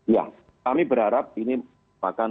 ya kami berharap ini akan